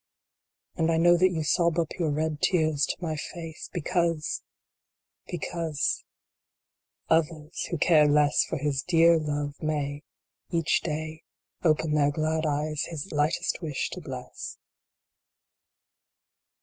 And I know that you sob up your red tears to my face, because because others who care less for his dear Love may, each day, open their glad eyes his lightest wish to bless.